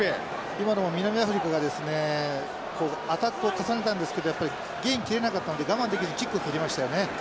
今のも南アフリカがですねアタックを重ねたんですけどやっぱりゲイン切れなかったので我慢できずキックを蹴りましたよね。